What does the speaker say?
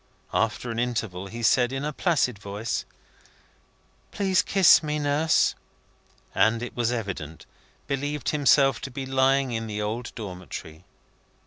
After an interval he said, in a placid voice, "Please kiss me, Nurse," and, it was evident, believed himself to be lying in the old Dormitory.